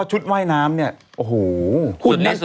ชุดว่ายน้ำเนี่ยโอ้โห